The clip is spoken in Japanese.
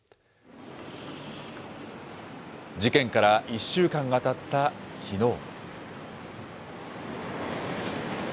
事件から１週間がたったきのう。